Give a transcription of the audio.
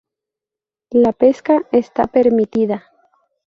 La pesca está permitida.